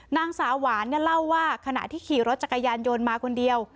นางสาวหวานเนี่ยเล่าว่าขณะที่ขี่รถจักรยานยนต์มาคนเดียว